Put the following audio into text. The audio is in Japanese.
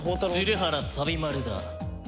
「鶴原丸だ」